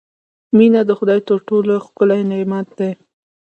• مینه د خدای تر ټولو ښکلی نعمت دی.